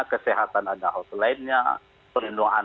kesehatan ada nomor hotline nya penyelamatannya ada nomor hotline nya pengaduan